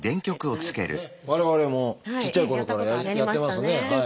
これよくね我々もちっちゃいころからやってますね。